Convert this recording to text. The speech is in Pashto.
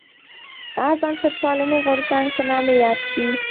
هر بنسټپالی غورځنګ په نامه یاد شي.